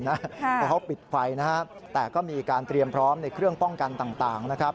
เพราะเขาปิดไฟนะครับแต่ก็มีการเตรียมพร้อมในเครื่องป้องกันต่างนะครับ